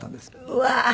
うわー。